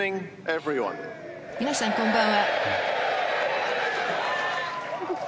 皆さん、こんばんは。